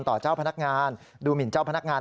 เจ้าพนักงานดูหมินเจ้าพนักงาน